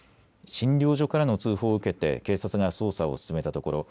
診療所からの通報を受けて警察が捜査を進めたところ